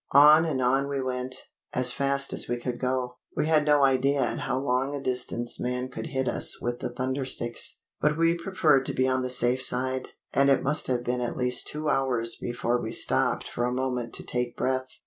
On and on we went, as fast as we could go. We had no idea at how long a distance man could hit us with the thunder sticks, but we preferred to be on the safe side, and it must have been at least two hours before we stopped for a moment to take breath.